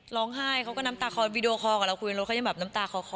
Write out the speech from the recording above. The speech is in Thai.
ร้องไห้เขาก็น้ำตาคอวีดีโอคอกับเราคุยกันแล้วเขายังแบบน้ำตาคอคอ